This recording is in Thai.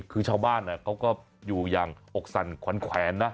คือชาวบ้านเขาก็อยู่อย่างอกสั่นขวัญแขวนนะ